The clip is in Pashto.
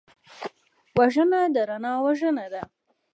وژنه د رڼا وژنه ده